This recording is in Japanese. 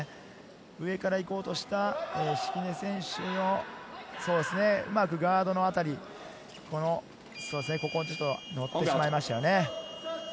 上から行こうとした敷根選手をうまくガードのあたり、もってしまいましたね。